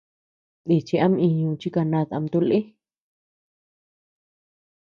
Nichi ama íñuu chi kanát ama tuʼu lï.